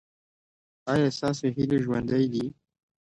ایا ستاسو هیلې ژوندۍ نه دي؟